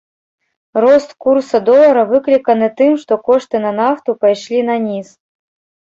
Рост курса долара выкліканы тым, што кошты на нафту пайшлі наніз.